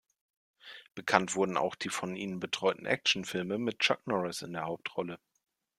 Bekannt wurden auch die von ihnen betreuten Actionfilme mit Chuck Norris in der Hauptrolle.